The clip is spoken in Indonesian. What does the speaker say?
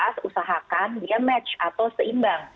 kita harus usahakan dia match atau seimbang